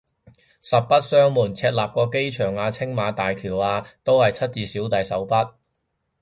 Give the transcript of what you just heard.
實不相瞞，赤鱲角機場啊青馬大橋啊都係出自小弟手筆